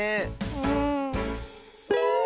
うん。